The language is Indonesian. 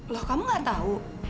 loh kamu gak tau